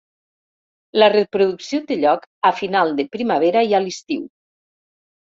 La reproducció té lloc a final de primavera i a l'estiu.